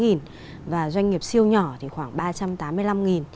khoảng một trăm một mươi bốn và doanh nghiệp siêu nhỏ thì khoảng ba trăm tám mươi năm